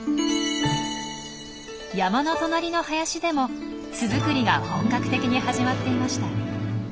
山の隣の林でも巣作りが本格的に始まっていました。